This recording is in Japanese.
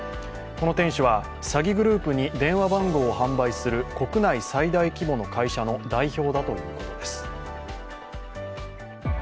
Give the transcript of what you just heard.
この店主は詐欺グループに電話番号を販売する国内最大規模の会社の代表だということです。